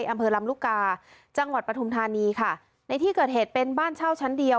อำเภอลำลูกกาจังหวัดปฐุมธานีค่ะในที่เกิดเหตุเป็นบ้านเช่าชั้นเดียว